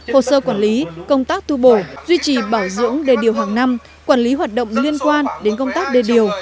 hồ sơ quản lý công tác thu bổ duy trì bảo dưỡng d điều hàng năm quản lý hoạt động liên quan đến công tác d điều